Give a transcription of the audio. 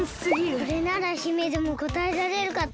これなら姫でもこたえられるかと。